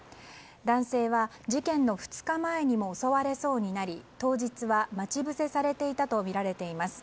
男性は事件の２日前にも襲われそうになり当日は待ち伏せされていたとみられています。